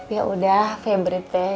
yaudah febri teh